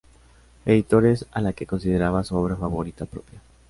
Editores, a la que considera su obra favorita propia.